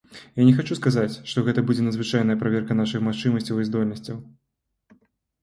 Я не хачу сказаць, што гэта будзе надзвычайная праверка нашых здольнасцяў і магчымасцяў.